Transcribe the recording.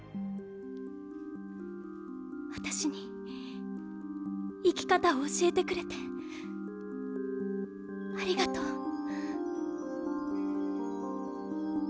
私に生き方を教えてくれてありがとう。